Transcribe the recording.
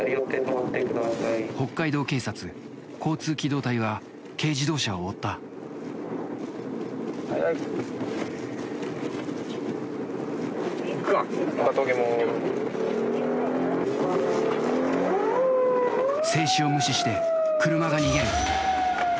北海道警察交通機動隊は軽自動車を追った制止を無視して車が逃げる